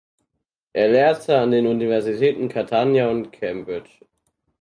Er lehrte an den Universitäten Catania und Cambridge.